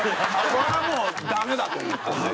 これはもうダメだと思って。